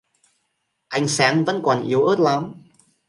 Ánh sáng vẫn còn yếu ớt lắm